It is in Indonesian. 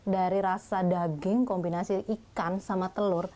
dari rasa daging kombinasi ikan sama telur